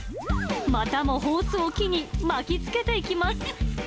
またもホースを木に巻きつけていきます。